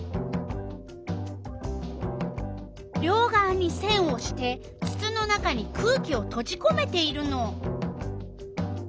両がわにせんをしてつつの中に空気をとじこめているの。